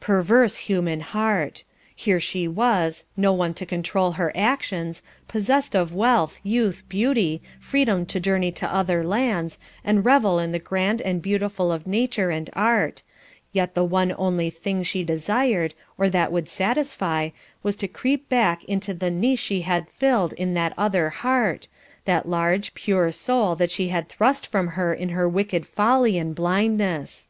Perverse human heart! Here she was, no one to control her actions, possessed of wealth, youth, beauty, freedom to journey to other lands, and revel in the grand and beautiful of nature and art, yet the one only thing she desired, or that would satisfy, was to creep back into the niche she had filled in that other heart, that large, pure soul that she had thrust from her in her wicked folly and blindness.